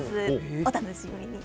お楽しみに。